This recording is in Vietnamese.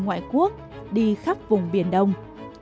ngoại quốc đi khắp vùng biển đông